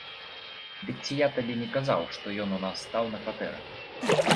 Дык ці я табе не казаў, што ён у нас стаў на кватэры.